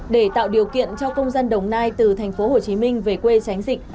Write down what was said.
để tạo điều kiện cho công dân đồng nai từ tp hcm về quê tránh dịch